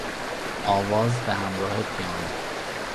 آواز به همراه پیانو